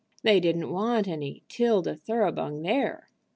"They didn't want any 'Tilda Thoroughbung there."